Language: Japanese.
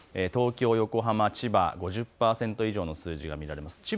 東京、横浜、千葉５０％以上の数字が出ています。